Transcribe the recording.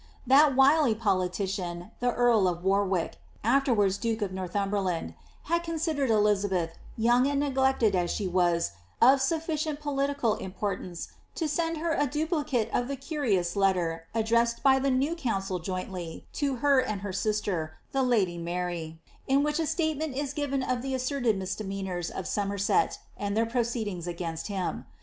That wily politician, the earl of Warwick, afterwards duke oT Nortb umberland, had considered Elizabeth, young and neglected as she waa, of sufficient political Importance to send her a duplicate of the carioua letter addressed by the new council jointly to her and her sister, the lady Mary, in which a statement is given of the asserted misdemeanours dt Somerset, and tlieir proceedings against him.'